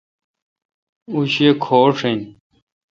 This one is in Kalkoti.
اوں شی کھوش این۔